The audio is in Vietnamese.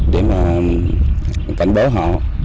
để mà cảnh báo họ